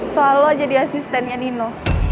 soal lo jadi asistennya dino